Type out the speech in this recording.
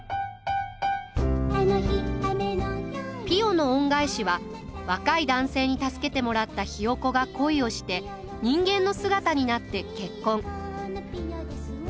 「ピヨの恩返し」は若い男性に助けてもらったヒヨコが恋をして人間の姿になって結婚。